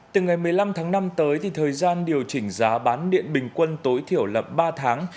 từ ngày một mươi năm tháng năm tới thì thời gian điều chỉnh giá bán điện bình quân tối thiểu là ba tháng